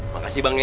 makasih bang ya